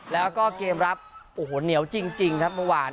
แล้วก็เกมรับโอ้โหเหนียวจริงครับเมื่อวาน